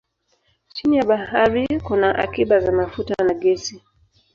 Chini ya bahari kuna akiba za mafuta na gesi.